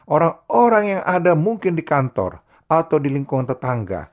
orang orang yang ada mungkin di kantor atau di lingkungan tetangga